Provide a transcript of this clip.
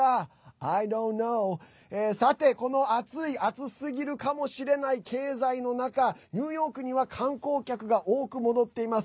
Ｉｄｏｎ’ｔｋｎｏｗ．さて、この熱い熱すぎるかもしれない経済の中ニューヨークには観光客が多く戻っています。